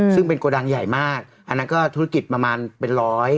ซึ่งเป็นโกดังใหญ่มากอันนั้นก็ธุรกิจประมาณเป็นร้อย